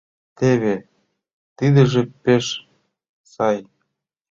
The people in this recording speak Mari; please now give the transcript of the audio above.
Теве тидыже пеш сай!